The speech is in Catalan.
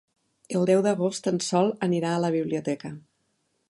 El deu d'agost en Sol anirà a la biblioteca.